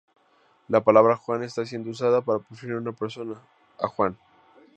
La palabra "Juan" está siendo "usada" para referir a una persona, a Juan.